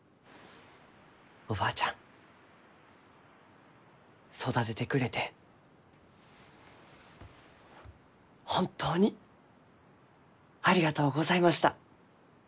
おばあちゃん育ててくれて本当にありがとうございました。